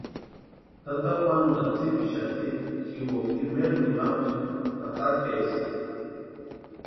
Tata Juanunha tsipixati jimpoka imaeri nimakwa jempa tatakaeska.